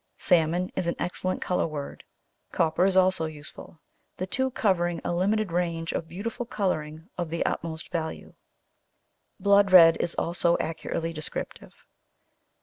Salmon is an excellent colour word, copper is also useful, the two covering a limited range of beautiful colouring of the utmost value. Blood red is also accurately descriptive.